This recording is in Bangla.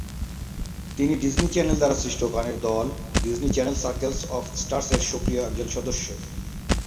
তিনি ডিজনি চ্যানেল দ্বারা সৃষ্ট গানের দল Disney Channel Circle of Stars এর সক্রিয় একজন সদস্য।